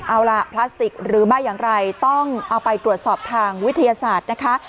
เอาล่ะพลาสติกหรือไม่อย่างไรต้องเอาไปตรวจสอบทางวิทยาศาสตร์นะคะ